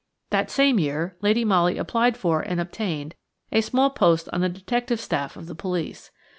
That same year, Lady Molly applied for, and obtained, a small post on the detective staff of the police.